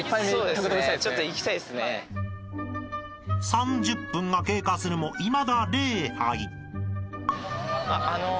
［３０分が経過するもいまだ０杯］